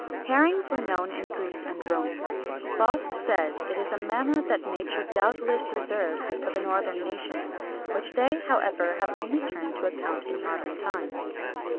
Herrings were unknown in Greece and Rome. Bosc says it is a manna that nature doubtless reserved for the northern nations, which they, however, have only turned to account in modern times.